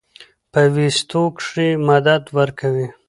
پۀ ويستو کښې مدد ورکوي